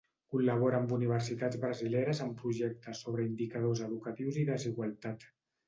Col·labora amb universitats brasileres en projectes sobre indicadors educatius i desigualtat.